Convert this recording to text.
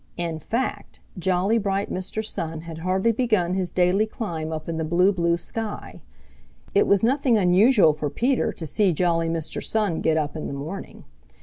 In fact, jolly, bright Mr. Sun had hardly begun his daily climb up in the blue, blue sky. It was nothing unusual for Peter to see jolly Mr. Sun get up in the morning.